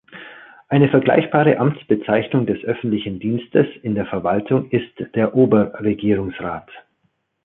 Eine vergleichbare Amtsbezeichnung des öffentlichen Dienstes in der Verwaltung ist der Oberregierungsrat.